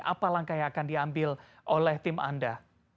apa langkah yang akan diambil oleh tim anda